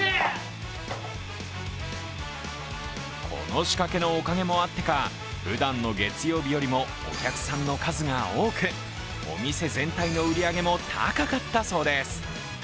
この仕掛けのおかげもあってかふだんの月曜日よりもお客さんの数が多くお店全体の売り上げも高かったそうです。